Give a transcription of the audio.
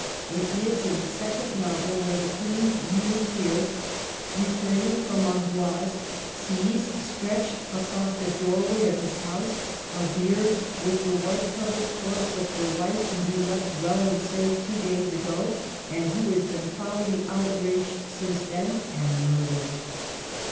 It is in the second novel, where the Queen's muleteer, returning from Amboise, sees, stretched across the doorway of his house, a bier, with the white covered corpse of the wife whom he left well and safe two days ago, and who has been foully outraged since then, and murdered.